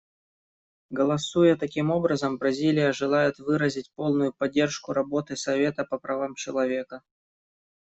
Голосуя таким образом, Бразилия желает выразить полную поддержку работы Совета по правам человека.